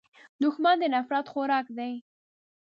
دښمن د نفرت خوراک دی